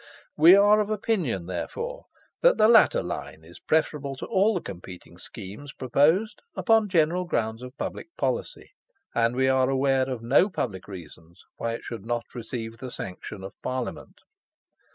We are of opinion, therefore, that the latter line is preferable to all the competing schemes proposed, upon general grounds of public policy; and we are aware of no public reasons why it should not receive the sanction of Parliament.